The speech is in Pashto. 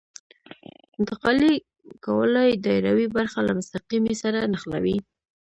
انتقالي ګولایي دایروي برخه له مستقیمې سره نښلوي